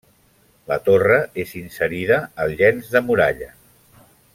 La torre és inserida al llenç de muralla.